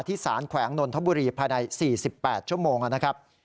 สารแขวงนนทบุรีภายใน๔๘ชั่วโมงนะครับ